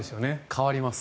変わります。